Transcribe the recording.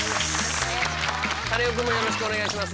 カネオくんもよろしくお願いします。